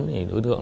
thì đối tượng